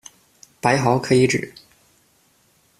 白毫可以指：